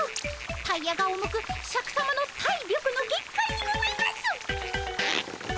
タイヤが重くシャクさまの体力の限界にございます。